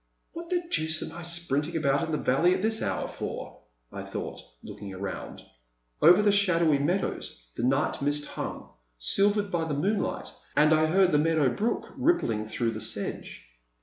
"What the deuce am I sprinting about the valley at this hour for?*' I thought, looking around. Over the shadowy meadows the night mist hung, silvered by tiie moonlight, and I heard the meadow brook rippling through the sedge.